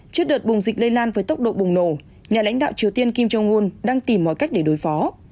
trước đợt bùng dịch lây lan với tốc độ bùng nổ nhà lãnh đạo triều tiên kim jong un đang tìm mọi cách để đối phó